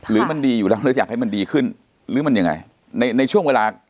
หรือมันดีอยู่แล้วหรืออยากให้มันดีขึ้นหรือมันยังไงในในช่วงเวลา